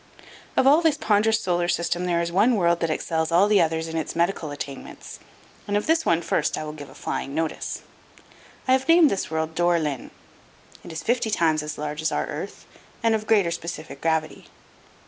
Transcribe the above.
Of all this ponderous solar system there is one world that excels all the others in its medical attainments, and of this one first I will give a flying notice. I have named this world Dore lyn. It is fifty times as large as our Earth and of greater specific gravity.